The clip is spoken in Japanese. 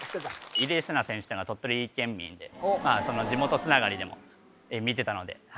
入江聖奈選手ってのは鳥取県民でまあその地元つながりでも見てたのでは